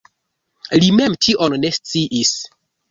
Li mem tion ne sciis.